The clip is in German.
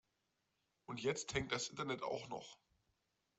Und jetzt hängt das Internet auch noch.